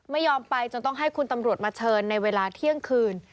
ไม่ยอมไปจนต้องให้คุณตำรวจมาเชิญในเวลาเที่ยงคืน